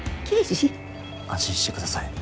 安心して下さい。